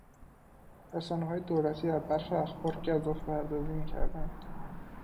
رسانههای دولتی در بخش اخبار گزافه پردازی میکردند.